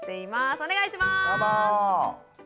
お願いします。